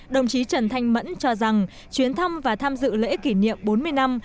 đồng chí trần thanh mẫn cho rằng chuyến thăm và tham dự lễ kỷ niệm bốn mươi năm